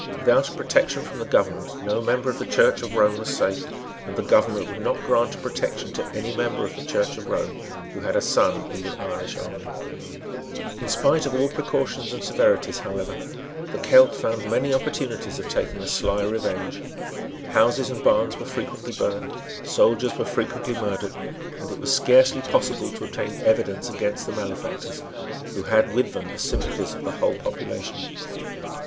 Without a protection from the government no member of the Church of Rome was safe; and the government would not grant a protection to any member of the Church of Rome who had a son in the Irish army. In spite of all precautions and severities, however, the Celt found many opportunities of taking a sly revenge. Houses and barns were frequently burned; soldiers were frequently murdered; and it was scarcely possible to obtain evidence against the malefactors, who had with them the sympathies of the whole population.